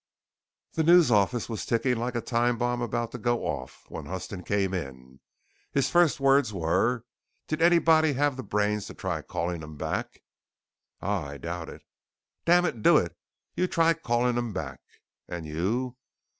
The News office was ticking like a time bomb about to go off when Huston came in. His first words were: "Did anybody have the brains to try calling 'em back?" "Ah I doubt it." "Dammit, do it! You try calling 'em back!" "And you?"